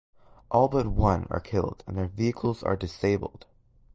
All but one are killed and their vehicles are disabled.